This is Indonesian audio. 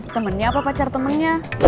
temennya apa pacar temennya